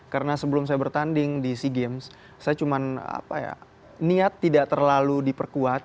karena sebelum saya bertanding di sea games saya cuma apa ya niat tidak terlalu diperkuat